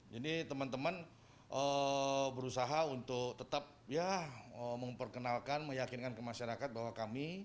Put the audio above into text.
jadi teman teman berusaha untuk tetap memperkenalkan meyakinkan ke masyarakat bahwa kami